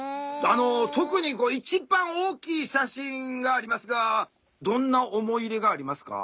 特に一番大きい写真がありますがどんな思い入れがありますか？